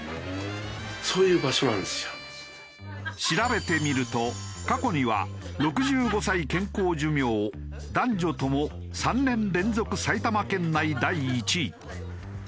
調べてみると過去には６５歳健康寿命男女とも３年連続埼玉県内第１位。